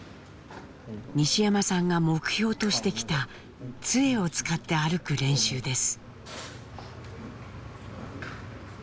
西山さんが目標としてきたつえを使って歩く練習です。